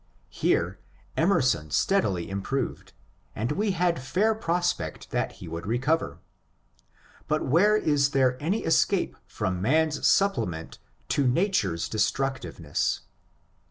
Here Emerson steadily improved, and we had fair prospect that he would recover. But where is there any escape from man's supplement to nature's destruc tiveness